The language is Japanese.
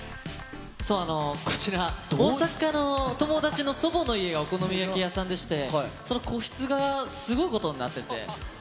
こちら、大阪の友達の祖母の家がお好み焼き屋さんでして、その個室がすごいことになってて。